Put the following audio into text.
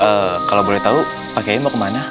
eh kalau boleh tahu pak keyi mau ke mana